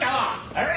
えっ！？